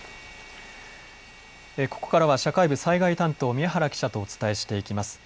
ここからは社会部災害担当の宮原記者とお伝えしていきます。